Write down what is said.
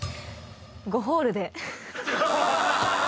５ホールで。